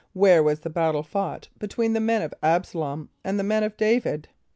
= Where was the battle fought between the men of [)A]b´sa l[)o]m and the men of D[=a]´vid?